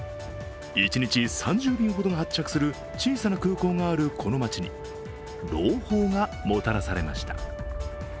一日３０便ほど発着する小さな空港があるこの街に朗報がもたらされました。